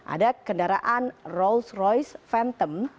ada kendaraan rolls royce ventum